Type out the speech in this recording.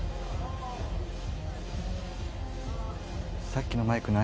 さっきのマイク何？